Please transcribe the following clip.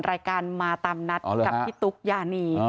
รายการมาตามนัดกับพี่ตุ๊กยานี